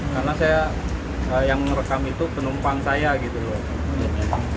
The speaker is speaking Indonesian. karena saya yang merekam itu penumpang saya gitu loh